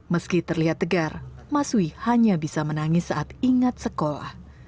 meski terlihat tegar mas wi hanya bisa menangis saat ingat sekolah